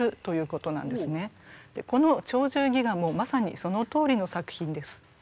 この「鳥獣戯画」もまさにそのとおりの作品です。